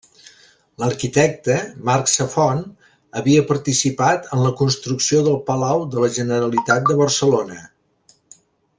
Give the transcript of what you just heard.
L’arquitecte, Marc Safont, havia participat en la construcció del Palau de la Generalitat de Barcelona.